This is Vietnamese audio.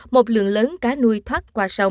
một lượng lớn cá nuôi thoát